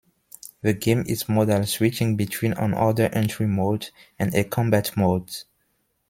The game is modal, switching between an order entry mode and a combat mode.